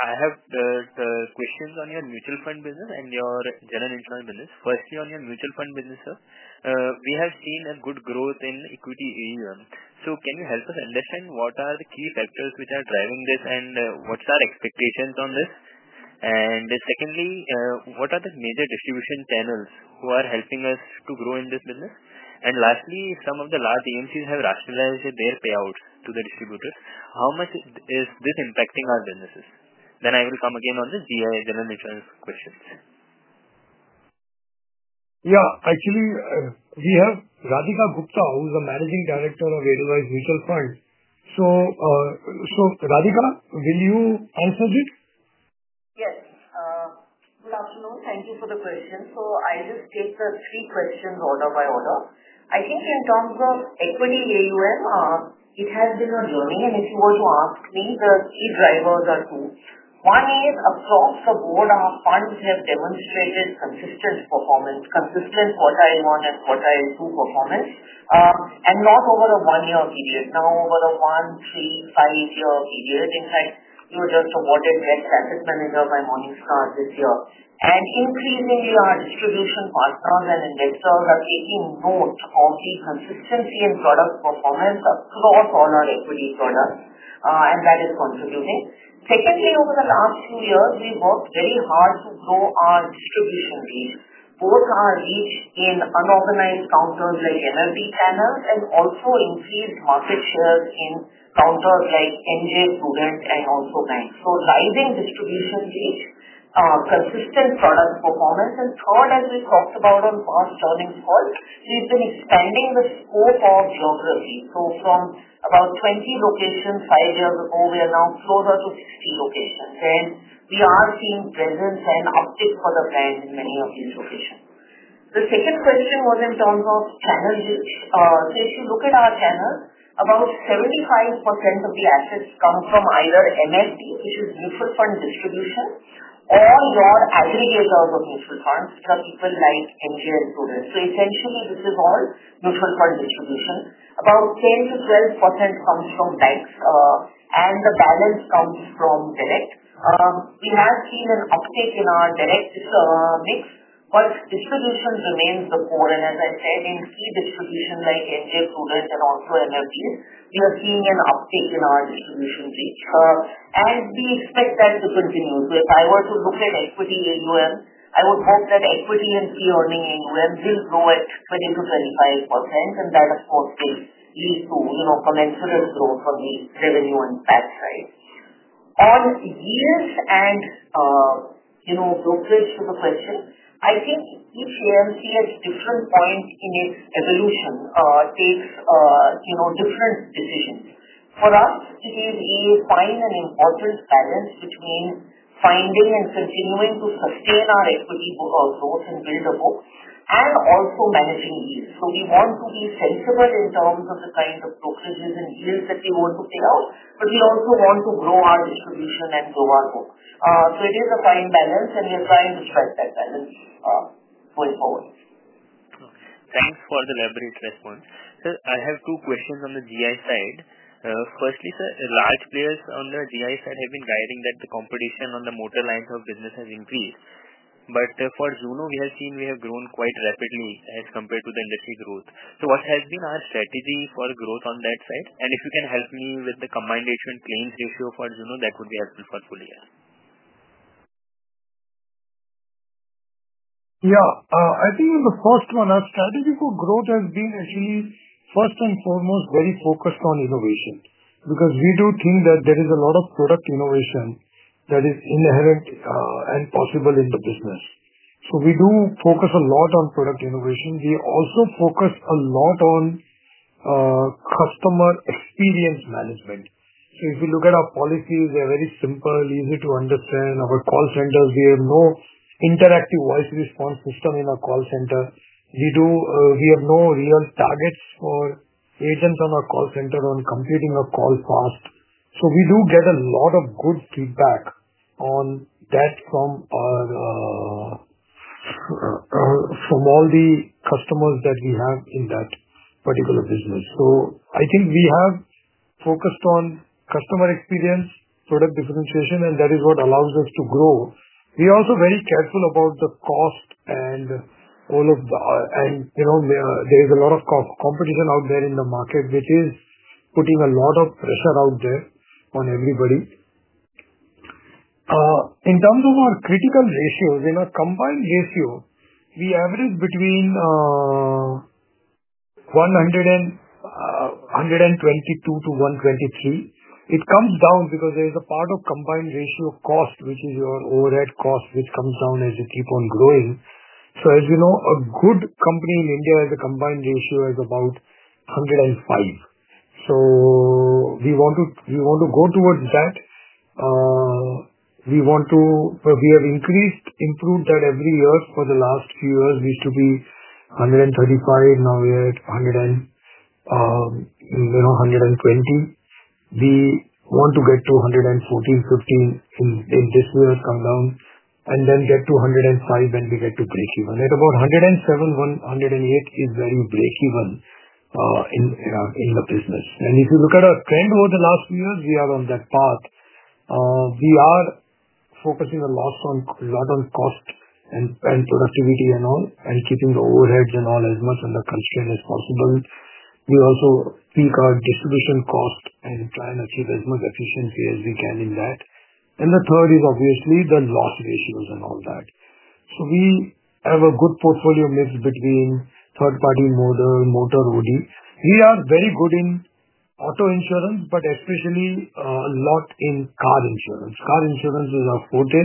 I have the questions on your mutual fund business and your general insurance business. Firstly, on your mutual fund business, sir, we have seen a good growth in equity AUM. Can you help us understand what are the key factors which are driving this and what are expectations on this? Secondly, what are the major distribution channels who are helping us to grow in this business? Lastly, some of the large AMCs have rationalized their payouts to the distributors. How much is this impacting our businesses? I will come again on the general insurance questions. Yeah. Actually, we have Radhika Gupta, who is the Managing Director of Edelweiss Asset Management Limited. Radhika, will you answer this? Yes. Good afternoon. Thank you for the question. I will just take the three questions order by order. I think in terms of equity AUM, it has been a journey. If you were to ask me, the key drivers are two. One is across the board, our funds have demonstrated consistent performance, consistent quartile one and quartile two performance, and not over a one-year period. Now, over a one, three, five-year period, in fact, we were just awarded Best Asset Manager by Morningstar this year. Increasingly, our distribution partners and investors are taking note of the consistency in product performance across all our equity products, and that is contributing. Secondly, over the last few years, we have worked very hard to grow our distribution reach, both our reach in unorganized counters like MLB channels and also increased market shares in counters like NJ Prudent and also banks. Rising distribution reach, consistent product performance. Third, as we talked about on past earnings calls, we've been expanding the scope of geography. From about 20 locations five years ago, we are now closer to 60 locations. We are seeing presence and uptick for the brand in many of these locations. The second question was in terms of channel reach. If you look at our channel, about 75% of the assets come from either MFD, which is mutual fund distribution, or your aggregators of mutual funds, which are people like NJ and Prudent. Essentially, this is all mutual fund distribution. About 10-12% comes from banks, and the balance comes from direct. We have seen an uptick in our direct mix, but distribution remains the core. As I said, in key distributions like NJ, Prudent, and also MFDs, we are seeing an uptick in our distribution reach. We expect that to continue. If I were to look at equity AUM, I would hope that equity and fee-earning AUM will grow at 20%-25%. That, of course, will lead to commensurate growth on the revenue and PAT side. On yields and brokerage to the question, I think each AMC at a different point in its evolution takes different decisions. For us, it is a fine and important balance between finding and continuing to sustain our equity growth and build a book, and also managing yield. We want to be sensible in terms of the kind of brokerages and yields that we want to pay out, but we also want to grow our distribution and grow our book. It is a fine balance, and we are trying to strike that balance going forward. Okay. Thanks for the elaborate response. Sir, I have two questions on the GIA side. Firstly, sir, large players on the GIA side have been guiding that the competition on the motor lines of business has increased. For Zuno, we have seen we have grown quite rapidly as compared to the industry growth. What has been our strategy for growth on that side? If you can help me with the combined issuance claims ratio for Zuno, that would be helpful for further. Yeah. I think on the first one, our strategy for growth has been actually, first and foremost, very focused on innovation because we do think that there is a lot of product innovation that is inherent and possible in the business. We do focus a lot on product innovation. We also focus a lot on customer experience management. If you look at our policies, they're very simple, easy to understand. Our call centers, we have no interactive voice response system in our call center. We have no real targets for agents on our call center on completing a call fast. We do get a lot of good feedback on that from all the customers that we have in that particular business. I think we have focused on customer experience, product differentiation, and that is what allows us to grow. We are also very careful about the cost and there is a lot of competition out there in the market, which is putting a lot of pressure out there on everybody. In terms of our critical ratios, in our combined ratio, we average between 122%-123%. It comes down because there is a part of combined ratio cost, which is your overhead cost, which comes down as you keep on growing. As you know, a good company in India has a combined ratio of about 105%. We want to go towards that. We have increased, improved that every year for the last few years. We used to be 135%. Now we are at 120%. We want to get to 114%-115% in this year, come down, and then get to 105% when we get to breakeven. At about 107%-108% is very breakeven in the business. If you look at our trend over the last few years, we are on that path. We are focusing a lot on cost and productivity and all, and keeping the overheads and all as much on the constraint as possible. We also peak our distribution cost and try and achieve as much efficiency as we can in that. The third is obviously the loss ratios and all that. We have a good portfolio mix between third-party motor, motor, OD. We are very good in auto insurance, but especially a lot in car insurance. Car insurance is our forte.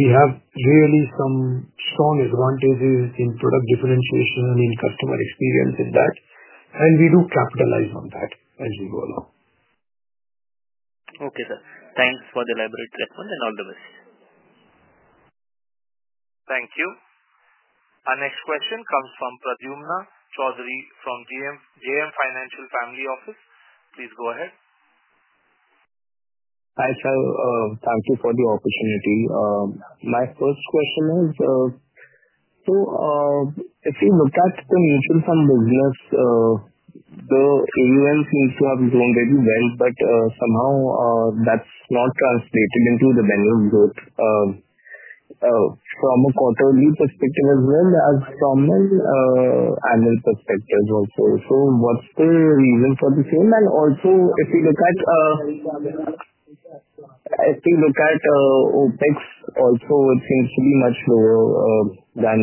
We have really some strong advantages in product differentiation and in customer experience in that. We do capitalize on that as we go along. Okay, sir. Thanks for the elaborate response, and all the best. Thank you. Our next question comes from Pradyumna Chaudhary from JM Financial Family Office. Please go ahead. Hi, sir. Thank you for the opportunity. My first question is, so if you look at the mutual fund business, the AUM seems to have grown very well, but somehow that's not translated into the revenue growth from a quarterly perspective as well as from an annual perspective also. What's the reason for the same? Also, if you look at OpEx, also it seems to be much lower than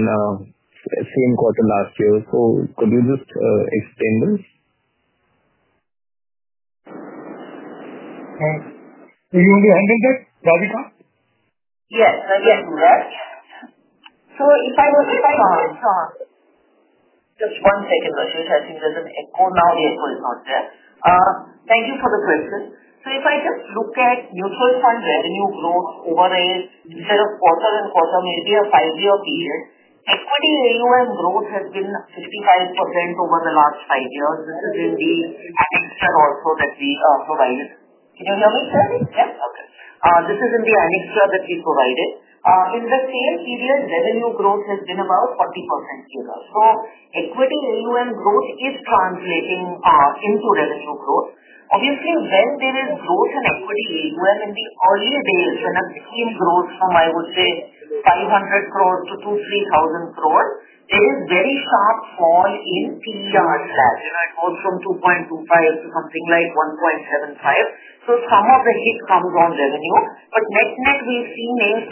same quarter last year. Could you just explain this? Can you handle that, Radhika? Yes. Yes. If I can just one second. I think there's an echo. Now the echo is not there. Thank you for the question. If I just look at mutual fund revenue growth over a set of quarter and quarter, maybe a five-year period, equity AUM growth has been 55% over the last five years. This is in the annexure also that we provided. Can you hear me, sir? Yes. Okay. This is in the annexure that we provided. In the same period, revenue growth has been about 40% here. So equity AUM growth is translating into revenue growth. Obviously, when there is growth in equity AUM in the early days, when it became growth from, I would say, 500 crore to 2,000-3,000 crore, there is very sharp fall in PER slash both from 2.25 to something like 1.75. So some of the hit comes on revenue. But net net, we've seen a 40%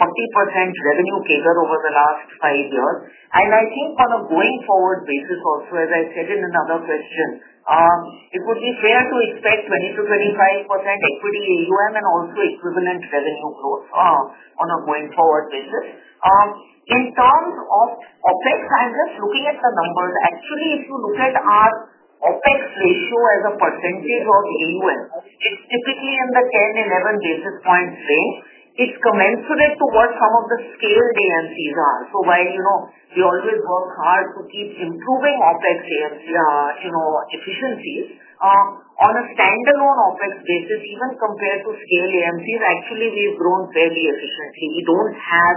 revenue CAGR over the last five years. I think on a going forward basis also, as I said in another question, it would be fair to expect 20%-25% equity AUM and also equivalent revenue growth on a going forward basis. In terms of OpEx, I'm just looking at the numbers. Actually, if you look at our OpEx ratio as a percentage of AUM, it's typically in the 10-11 basis points range. It's commensurate to what some of the scaled AMCs are. While we always work hard to keep improving OpEx AMC efficiencies, on a standalone OpEx basis, even compared to scaled AMCs, actually, we've grown fairly efficiently. We do not have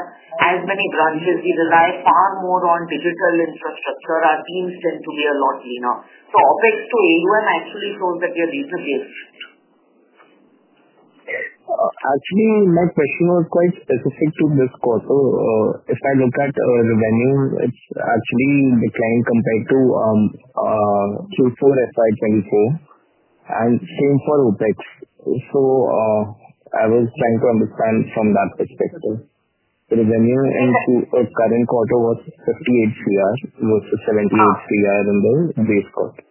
as many branches. We rely far more on digital infrastructure. Our teams tend to be a lot leaner. OpEx to AUM actually shows that we are reasonably efficient. Actually, my question was quite specific to this quarter. If I look at revenue, it's actually declined compared to Q4 FY2024 and same for OpEx. I was trying to understand from that perspective. The revenue in the current quarter was 58 crore versus 78 crore in the base quarter.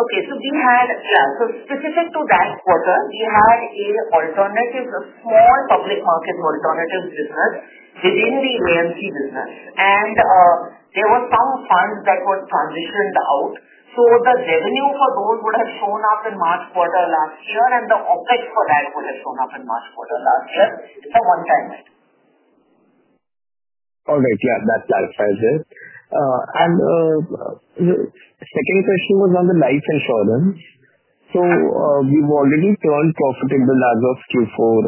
Okay. We had, yeah. Specific to that quarter, we had a small public market alternative business within the AMC business. There were some funds that were transitioned out. The revenue for those would have shown up in March quarter last year, and the OpEx for that would have shown up in March quarter last year. It is a one-time hit. All right. Yeah. That clarifies it. The second question was on the life insurance. We have already turned profitable as of Q4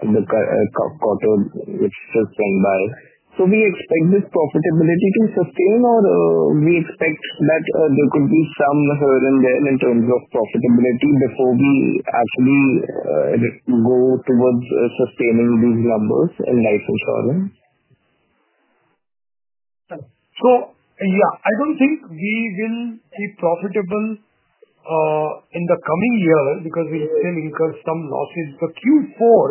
in the quarter which just went by. Do we expect this profitability to sustain, or do we expect that there could be some here and there in terms of profitability before we actually go towards sustaining these numbers in life insurance? Yeah, I do not think we will be profitable in the coming year because we still incur some losses. The Q4,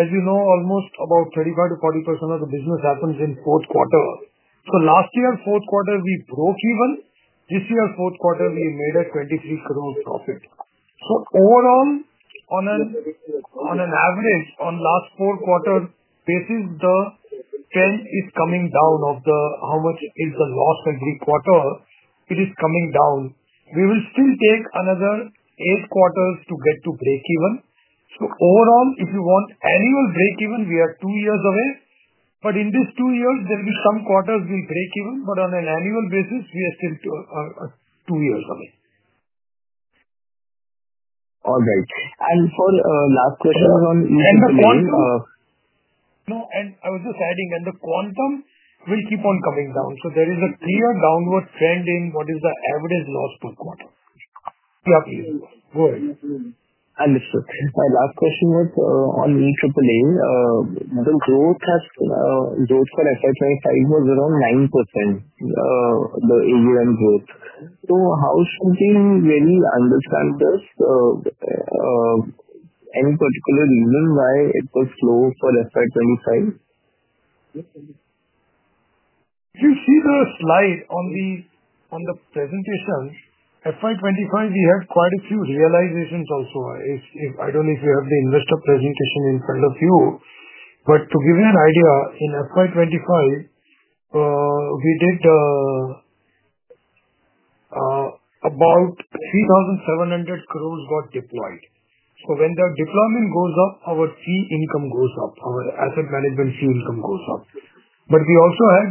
as you know, almost about 35% to 40% of the business happens in fourth quarter. Last year, fourth quarter, we broke even. This year, fourth quarter, we made an 23 crore profit. Overall, on an average, on last four quarter basis, the trend is coming down of how much is the loss every quarter. It is coming down. We will still take another eight quarters to get to breakeven. If you want annual breakeven, we are two years away. In these two years, there will be some quarters we will break even. On an annual basis, we are still two years away. All right. For last question on. And the quantum. No, I was just adding, and the quantum will keep on coming down. There is a clear downward trend in what is the average loss per quarter. Yeah, please. Go ahead. Understood. My last question was on EAA. The growth for FY2025 was around 9%, the AUM growth. How should we really understand this? Any particular reason why it was slow for FY2025? If you see the slide on the presentation, FY2025, we had quite a few realizations also. I do not know if you have the investor presentation in front of you. To give you an idea, in FY2025, we did about 3,700 crore got deployed. When the deployment goes up, our fee income goes up. Our asset management fee income goes up. We also had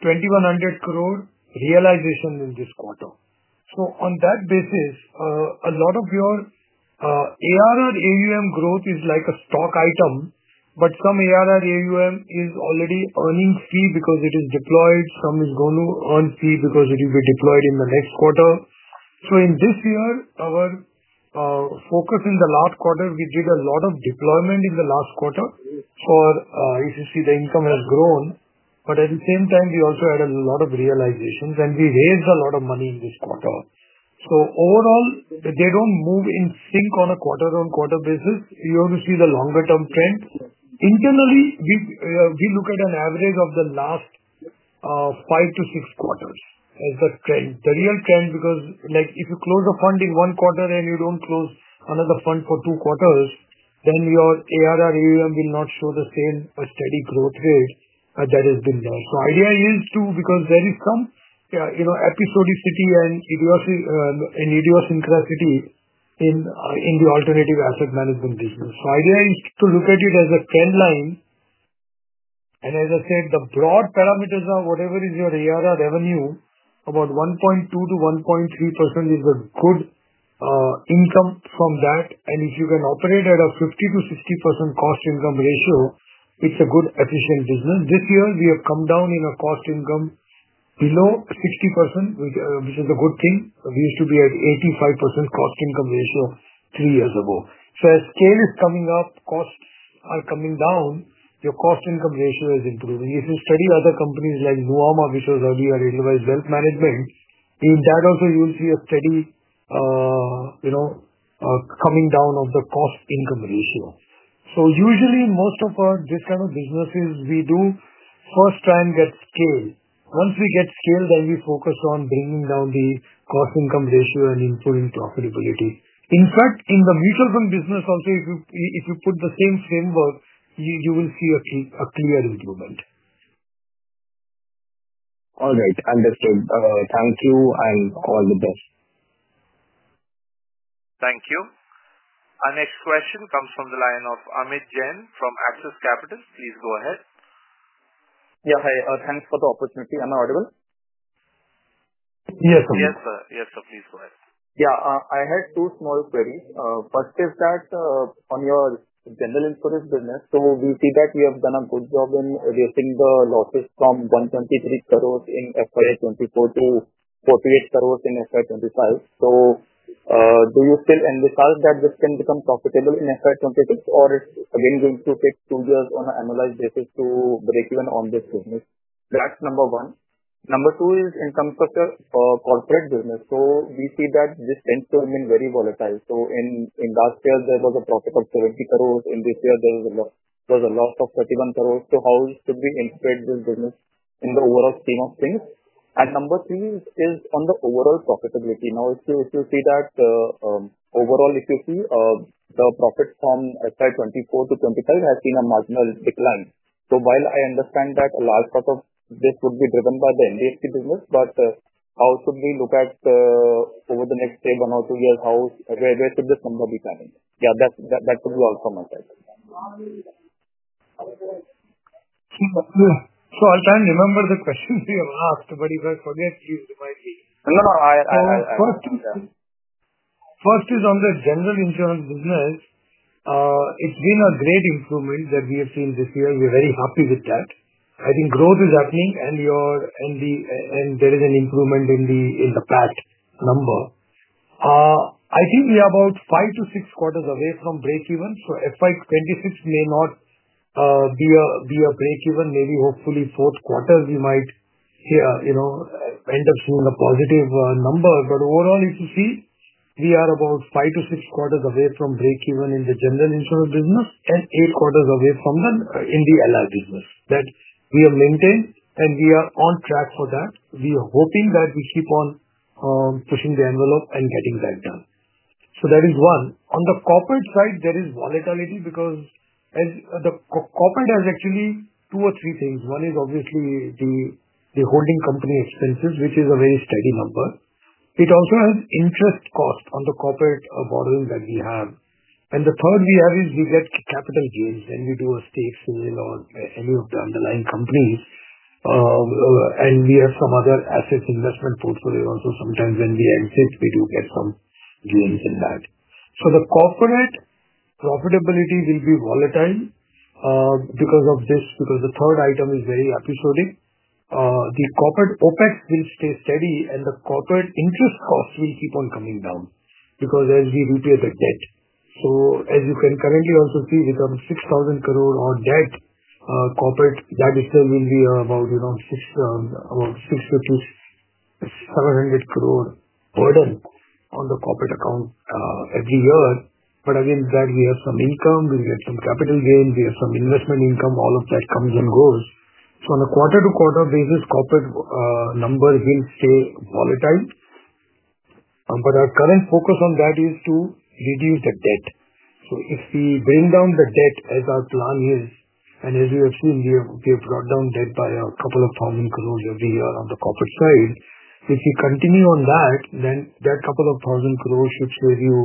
2,100 crore realization in this quarter. On that basis, a lot of your ARR AUM growth is like a stock item, but some ARR AUM is already earning fee because it is deployed. Some is going to earn fee because it will be deployed in the next quarter. In this year, our focus in the last quarter, we did a lot of deployment in the last quarter. If you see, the income has grown. At the same time, we also had a lot of realizations, and we raised a lot of money in this quarter. Overall, they do not move in sync on a quarter-on-quarter basis. You have to see the longer-term trend. Internally, we look at an average of the last five to six quarters as the trend. The real trend, because if you close a fund in one quarter and you do not close another fund for two quarters, then your ARR AUM will not show the same steady growth rate that has been there. The idea is to, because there is some episodicity and idiosyncrasy in the alternative asset management business. The idea is to look at it as a trend line. As I said, the broad parameters are whatever is your ARR revenue, about 1.2-1.3% is a good income from that. If you can operate at a 50-60% cost-income ratio, it is a good efficient business. This year, we have come down in our cost-income below 60%, which is a good thing. We used to be at 85% cost-income ratio three years ago. As scale is coming up, costs are coming down, your cost-income ratio is improving. If you study other companies like Nuvama, which was earlier a real-world wealth management, in that also, you will see a steady coming down of the cost-income ratio. Usually, most of our this kind of businesses, we do first try and get scale. Once we get scale, then we focus on bringing down the cost-income ratio and improving profitability. In fact, in the mutual fund business also, if you put the same framework, you will see a clear improvement. All right. Understood. Thank you, and all the best. Thank you. Our next question comes from the line of Amit Jain from Axis Capital. Please go ahead. Yeah. Hi. Thanks for the opportunity. Am I audible? Yes, sir. Yes, sir. Yes, sir. Please go ahead. Yeah. I had two small queries. First is that on your general insurance business. We see that you have done a good job in reducing the losses from 123 crore in FY 2024 to 48 crore in FY 2025. Do you still envisage that this can become profitable in FY 2026, or it is again going to take two years on an annualized basis to break even on this business? That is number one. Number two is in terms of your corporate business. We see that this tends to remain very volatile. In last year, there was a profit of 700 million. In this year, there was a loss of 310 million. How should we integrate this business in the overall scheme of things? Number three is on the overall profitability. If you see that overall, if you see the profit from FY 2024 to 2025 has seen a marginal decline. So while I understand that a large part of this would be driven by the NBFC business, but how should we look at over the next say one or two years, where should this number be coming? Yeah, that would be all from my side. I'll try and remember the questions you have asked, but if I forget, please remind me. No, no. First is on the general insurance business. It's been a great improvement that we have seen this year. We're very happy with that. I think growth is happening, and there is an improvement in the PAT number. I think we are about five to six quarters away from breakeven. FY2026 may not be a breakeven. Maybe hopefully fourth quarter, we might end up seeing a positive number. Overall, if you see, we are about five to six quarters away from breakeven in the general insurance business and eight quarters away from the NIDO business. That we have maintained, and we are on track for that. We are hoping that we keep on pushing the envelope and getting that done. That is one. On the corporate side, there is volatility because the corporate has actually two or three things. One is obviously the holding company expenses, which is a very steady number. It also has interest cost on the corporate borrowing that we have. The third we have is we get capital gains. When we do a stake sale or any of the underlying companies, and we have some other asset investment portfolio also, sometimes when we exit, we do get some gains in that. The corporate profitability will be volatile because of this because the third item is very episodic. The corporate OpEx will stay steady, and the corporate interest cost will keep on coming down as we repay the debt. As you can currently also see, we have 6,000 crore on debt. Corporate debt itself will be about 600 crore burden on the corporate account every year. Again, we have some income. We get some capital gain. We have some investment income. All of that comes and goes. On a quarter-to-quarter basis, the corporate number will stay volatile. Our current focus on that is to reduce the debt. If we bring down the debt, as our plan is, and as you have seen, we have brought down debt by a couple of thousand crore every year on the corporate side. If we continue on that, then that couple of thousand crores should save you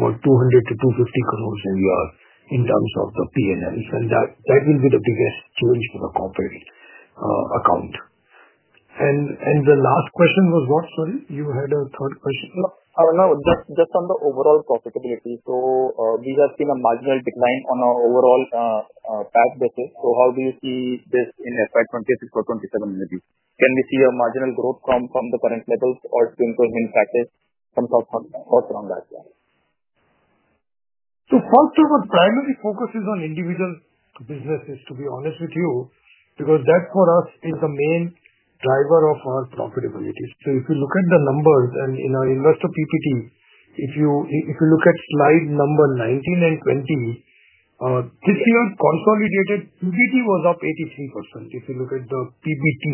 about 200-250 crore a year in terms of the P&Ls. That will be the biggest change for the corporate account. The last question was what? Sorry, you had a third question. No, just on the overall profitability. We have seen a marginal decline on our overall PAT basis. How do you see this in FY 2026 or 2027 maybe? Can we see a marginal growth from the current levels, or do you think we will be impacted? Some thoughts around that. First of all, primary focus is on individual businesses, to be honest with you, because that for us is the main driver of our profitability. If you look at the numbers and in our investor PPT, if you look at slide number 19 and 20, this year consolidated PBT was up 83% if you look at the PBT.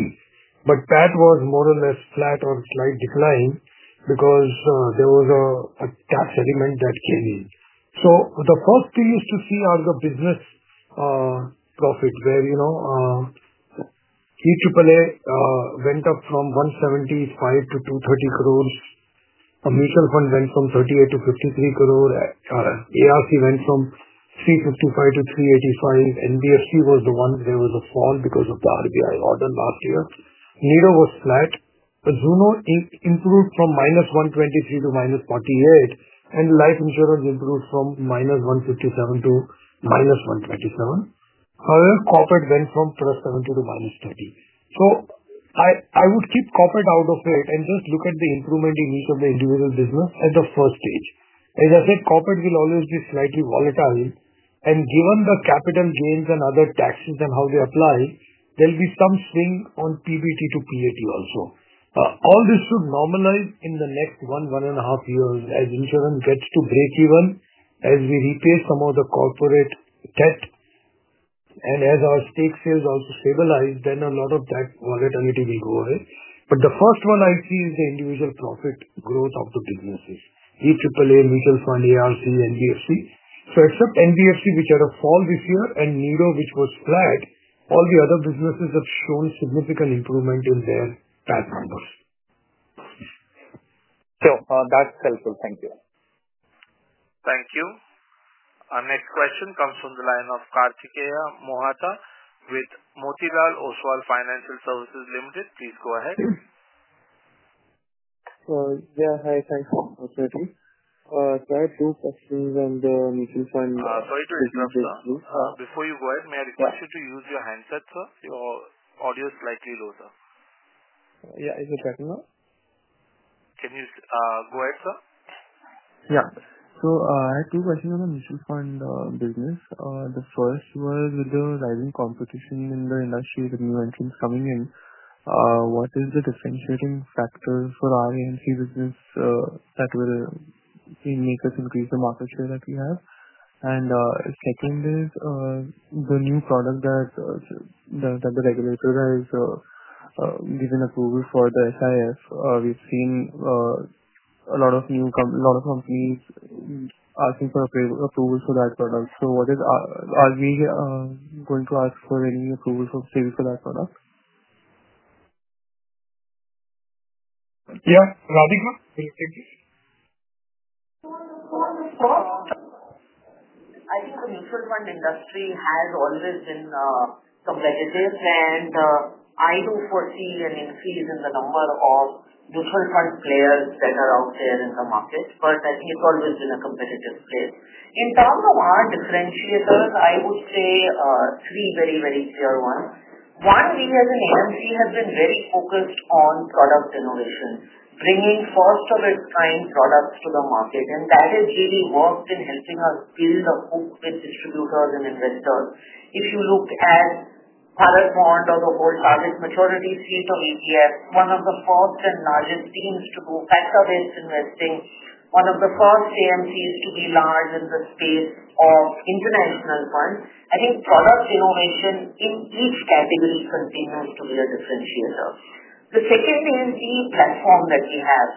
PAT was more or less flat or slight decline because there was a tax element that came in. The first thing is to see our business profit where EAA went up from 175 crore to 230 crore. A mutual fund went from 38 crore to 53 crore. ARC went from 355 crore to 385 crore. NBFC was the one where there was a fall because of the RBI order last year. NIDO was flat. Zuno improved from minus 123 crore to minus 48 crore, and life insurance improved from minus 157 crore to minus 127 crore. However, corporate went from plus 70 crore to minus 30 crore. I would keep corporate out of it and just look at the improvement in each of the individual businesses at the first stage. As I said, corporate will always be slightly volatile. Given the capital gains and other taxes and how they apply, there will be some swing on PBT to PAT also. All this should normalize in the next one, one and a half years as insurance gets to breakeven, as we repay some of the corporate debt, and as our stake sales also stabilize, then a lot of that volatility will go away. The first one I see is the individual profit growth of the businesses: EAA, mutual fund, ARC, NBFC. Except NBFC, which had a fall this year, and NIDO, which was flat, all the other businesses have shown significant improvement in their PAT numbers. That's helpful. Thank you. Thank you. Our next question comes from the line of Kartikeya Mohata with Motilal Oswal Financial Services Limited. Please go ahead. Yeah. Hi. Thanks for inviting me. I have two questions on the mutual fund. Sorry to interrupt, sir. Before you go ahead, may I request you to use your handset, sir? Your audio is slightly low, sir. Yeah. Is it working now? Can you go ahead, sir? Yeah. I have two questions on the mutual fund business. The first was with the rising competition in the industry with new entrants coming in. What is the differentiating factor for our AMC business that will make us increase the market share that we have? Second is the new product that the regulator has given approval for, the SIF. We have seen a lot of new, a lot of companies asking for approval for that product. Are we going to ask for any approval for sales for that product? Yeah. Radhika, will you take this? I think the mutual fund industry has always been competitive, and I do foresee an increase in the number of mutual fund players that are out there in the market. I think it has always been a competitive play. In terms of our differentiators, I would say three very, very clear ones. One, we as an AMC have been very focused on product innovation, bringing first-of-its-kind products to the market. That has really worked in helping us build a hook with distributors and investors. If you look at Harald Bond or the whole Target Maturity Suite of ETFs, one of the first and largest teams to do factor-based investing, one of the first AMCs to be large in the space of international funds. I think product innovation in each category continues to be a differentiator. The second is the platform that we have.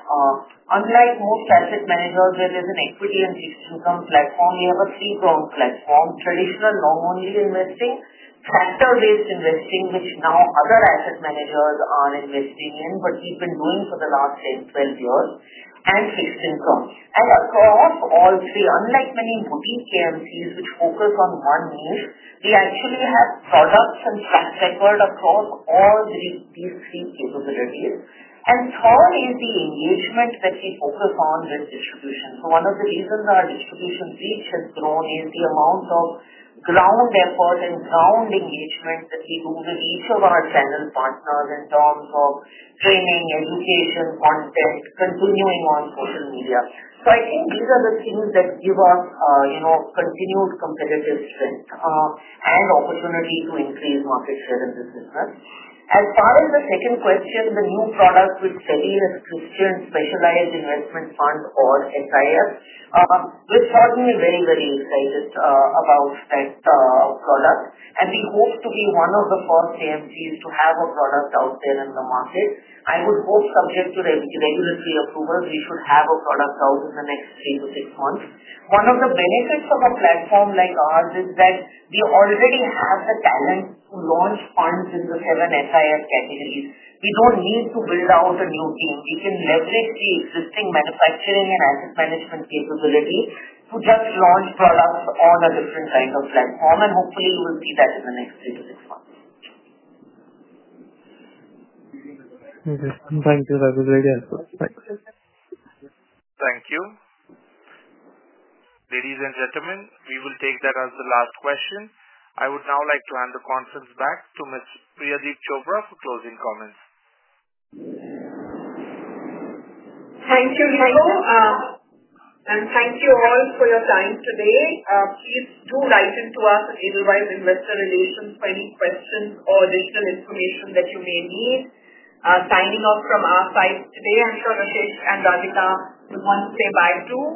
Unlike most asset managers, where there is an equity and fixed income platform, we have a three-pronged platform: traditional loan-only investing, factor-based investing, which now other asset managers are investing in, but we have been doing for the last 10, 12 years, and fixed income. Across all three, unlike many boutique AMCs which focus on one niche, we actually have products and track record across all these three capabilities. The third is the engagement that we focus on with distribution. One of the reasons our distribution reach has grown is the amount of ground effort and ground engagement that we do with each of our channel partners in terms of training, education, content, continuing on social media. I think these are the things that give us continued competitive strength and opportunity to increase market share in this business. As far as the second question, the new product with steady as Christian Specialized Investment Fund or SIF, we're certainly very, very excited about that product. We hope to be one of the first AMCs to have a product out there in the market. I would hope subject to regulatory approval, we should have a product out in the next three to six months. One of the benefits of a platform like ours is that we already have the talent to launch funds in the seven SIF categories. We do not need to build out a new team. We can leverage the existing manufacturing and asset management capability to just launch products on a different kind of platform. Hopefully, we'll see that in the next three to six months. Okay. Thank you. That was very helpful. Thanks. Thank you. Ladies and gentlemen, we will take that as the last question. I would now like to hand the conference back to Ms. Priyadeep Chopra for closing comments. Thank you, Rico. And thank you all for your time today. Please do write to us at Edelweiss Investor Relations for any questions or additional information that you may need. Signing off from our side today, I'm sure Rashesh and Radhika would want to say bye too.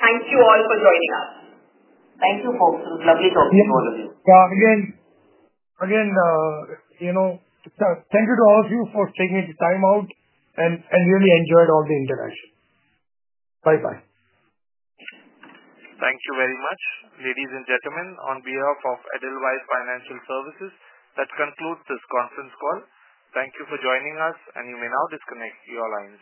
Thank you all for joining us. Thank you, folks. It was lovely talking to all of you. Yeah. Again, thank you to all of you for taking the time out and really enjoyed all the interaction. Bye-bye. Thank you very much. Ladies and gentlemen, on behalf of Edelweiss Financial Services, that concludes this conference call. Thank you for joining us, and you may now disconnect. You are line.